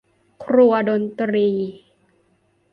ครัวดนตรี